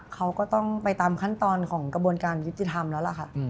เขาก็ต้องไปตามขั้นตอนของกระบวนการยุติธรรมแล้วล่ะค่ะ